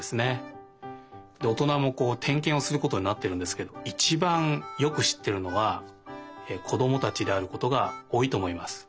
おとなもてんけんをすることになってるんですけどいちばんよくしってるのはこどもたちであることがおおいとおもいます。